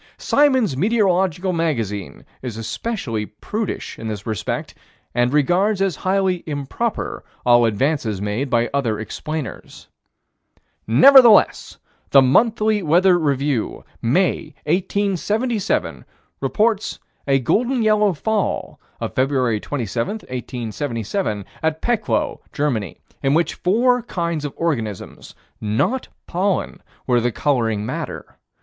Symons' Meteorological Magazine is especially prudish in this respect and regards as highly improper all advances made by other explainers. Nevertheless, the Monthly Weather Review, May, 1877, reports a golden yellow fall, of Feb. 27, 1877, at Peckloh, Germany, in which four kinds of organisms, not pollen, were the coloring matter.